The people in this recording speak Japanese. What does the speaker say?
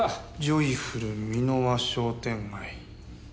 「ジョイフル三の輪商店街」。